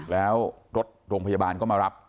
แล้วรถโรงพยาบาลก็มารับ